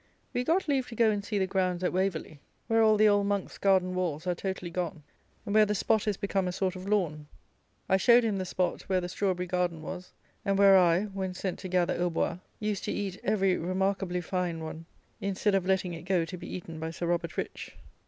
We got leave to go and see the grounds at Waverley, where all the old monks' garden walls are totally gone, and where the spot is become a sort of lawn. I showed him the spot where the strawberry garden was, and where I, when sent to gather hautboys, used to eat every remarkably fine one, instead of letting it go to be eaten by Sir Robert Rich.